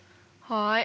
はい。